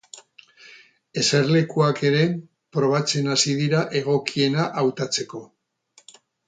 Eserlekuak ere probatzen hasi dira, egokiena hautatzeko.